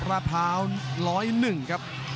ราภา๑๐๑ครับ